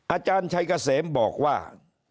อาจารย์ชัยเกษมบอกว่า